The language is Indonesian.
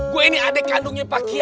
gue ini adik kandungnya pak kiai